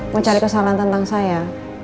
mau cari kesalahan tentang saya